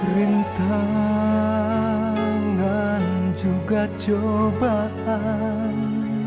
rintangan juga cobaan